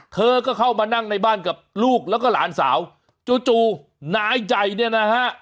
เธอก็เข้ามานั่งในบ้านกับลูกแล้วก็หลานสาวจู่จู่นายใหญ่เนี่ยนะฮะ